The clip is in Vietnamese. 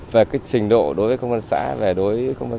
về cái trình độ đối với công an xã